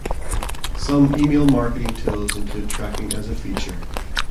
Some email marketing tools include tracking as a feature.